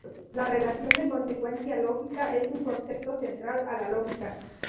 La relación de consecuencia lógica es un concepto central a la lógica.